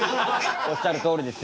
おっしゃるとおりです